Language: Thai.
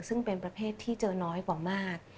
ซึ่งเป็นประเภทที่เจอน้อยกว่ามาก